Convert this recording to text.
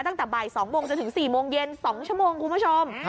ตั้งแต่บ่าย๒โมงจนถึง๔โมงเย็น๒ชั่วโมงคุณผู้ชม